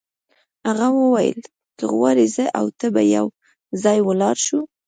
هغه وویل که غواړې زه او ته به یو ځای ولاړ شو.